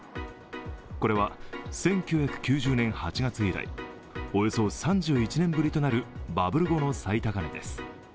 これは１９９０年８月以来、およそ３１年ぶりとなるバブル後の最高値です。